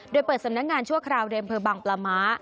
โดยเปิดสำนักงานชั่วคราวเดมเพลิงบังประมะ